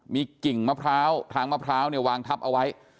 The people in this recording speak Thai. มีกิ่งมะพร้าวทางมะพร้าวเนี่ยวางทับเอาไว้